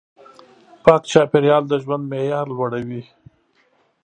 پاک چاپېریال د ژوند معیار لوړوي.